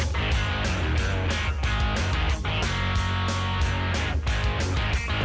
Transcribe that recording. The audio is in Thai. โปรดติดตามตอนต่อไป